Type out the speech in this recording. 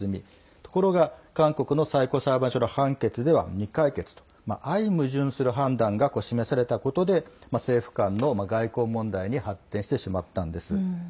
ところが韓国の最高裁判所の判決では未解決と相矛盾する判断が示されたことで政府間の外交問題に発展してしまったんです。